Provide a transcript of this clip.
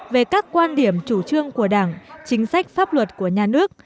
về các quan điểm chủ trương của đảng chính sách pháp luật của nhà nước